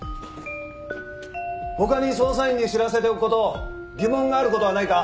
他に捜査員に知らせておく事疑問がある事はないか？